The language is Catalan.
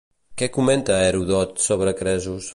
Què comenta Heròdot sobre Cresos?